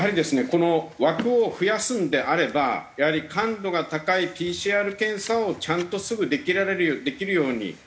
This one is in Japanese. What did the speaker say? この枠を増やすのであればやはり感度が高いＰＣＲ検査をちゃんとすぐできるように。